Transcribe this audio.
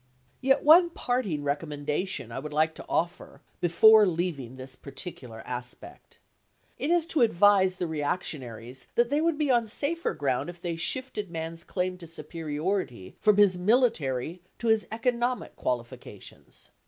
Yet one parting recommendation I would like to offer, before leaving this particular aspect. It is to advise the reactionaries that they would be on safer ground if they shifted man's claim to superiority from his military to his economic qualifications.